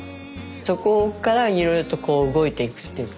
そこからいろいろとこう動いていくっていうかね